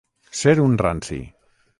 Ser un ranci.